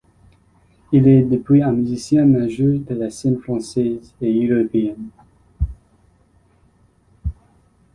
Il est depuis un musicien majeur de la scène française et européenne.